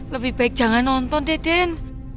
lebih baik jangan nonton deh den